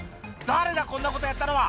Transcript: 「誰だこんなことやったのは！